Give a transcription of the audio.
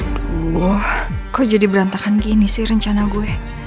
aduh wah kok jadi berantakan gini sih rencana gue